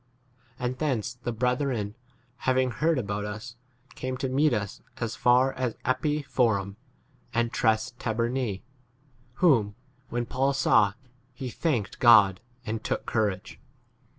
And thence 'the brethren, having heard about us, came to meet us as far as Appii Forum and Tres Tabernae, whom, when Paul saw, he thanked God and took courage.